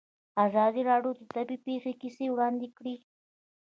ازادي راډیو د طبیعي پېښې کیسې وړاندې کړي.